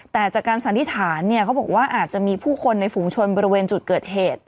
แต่จากการสันนิษฐานเนี่ยเขาบอกว่าอาจจะมีผู้คนในฝูงชนบริเวณจุดเกิดเหตุ